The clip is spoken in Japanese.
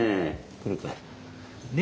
来るかな？